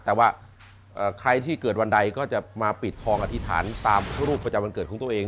แต่ว่าใครที่เกิดวันใดก็จะมาปิดทองอธิษฐานตามรูปประจำวันเกิดของตัวเอง